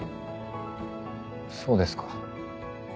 そうですか。